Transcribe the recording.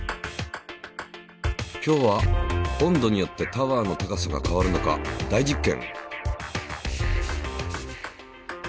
今日は温度によってタワーの高さが変わるのか大実験。